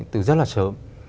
từ rất là sớm